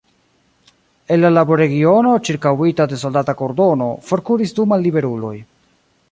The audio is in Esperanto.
El la laborregiono, ĉirkaŭita de soldata kordono, forkuris du malliberuloj.